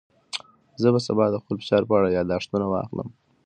زه به سبا د خپل فشار په اړه یاداښتونه واخلم.